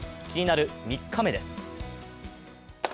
気になる３日目です。